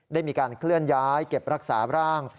ได้มีการเคลื่อนย้ายเก็บรักษาร่าง